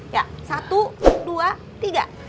ya satu dua tiga